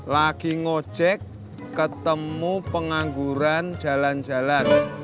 lagi ngojek ketemu pengangguran jalan jalan